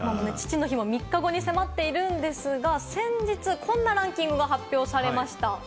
父の日が３日後に迫ってるんですが、先日こんなランキングが発表されました。